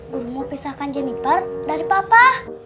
bu guri mau pisahkan jeniper dari papa